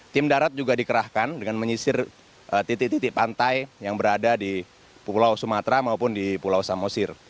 tim darat juga dikerahkan dengan menyisir titik titik pantai yang berada di pulau sumatera maupun di pulau samosir